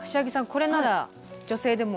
これなら女性でも。